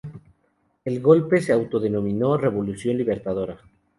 El golpe se autodenominó Revolución Libertadora.